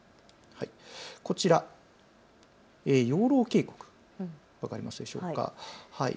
こちら養老渓谷、分かりますでしょうか。